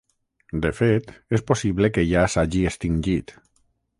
De fet, és possible que ja s'hagi extingit.